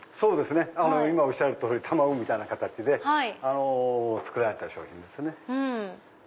今おっしゃられた通り卵みたいな形で作られた商品ですね。